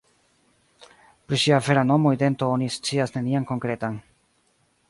Pri ŝia vera nomo, idento oni scias nenian konkretan.